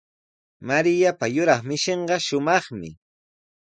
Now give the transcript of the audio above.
Mariapa yuraq mishinqa shumaqmi.